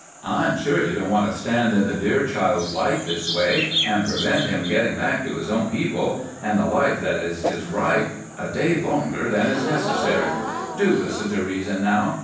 I'm sure you don't want to stand in the dear child's light this way, and prevent him getting back to his own people, and the life that is his right, a day longer than is necessary. Do listen to reason, now."